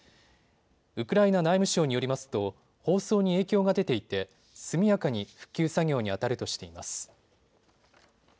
ウクライナ内務省によりますと放送に影響が出ていて速やかに復旧作業に当たるとしています。